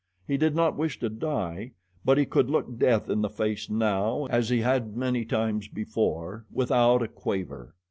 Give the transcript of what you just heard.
He did not wish to die; but he could look death in the face now as he had many times before without a quaver.